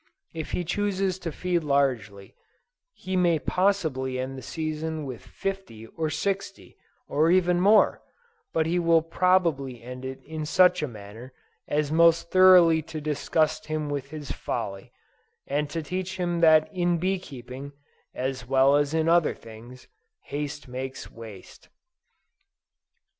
If he chooses to feed largely, he may possibly end the season with fifty or sixty, or even more; but he will probably end it in such a manner as most thoroughly to disgust him with his folly, and to teach him that in bee keeping, as well as in other things, "Haste makes waste."